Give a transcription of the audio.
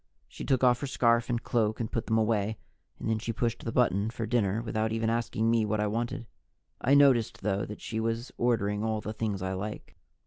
She took off her scarf and cloak and put them away, and then she pushed the button for dinner without even asking me what I wanted. I noticed, though, that she was ordering all the things I like.